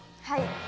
はい。